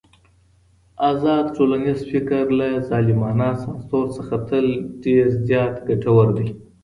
ازاد ټولنيز فکر له ظالمانه سانسور څخه تل ډېر زيات ګټور دی.